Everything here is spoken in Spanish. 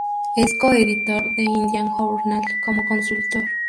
Es coeditor de Indian Journal, como consultor.